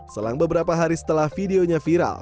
selang beberapa hari setelah videonya viral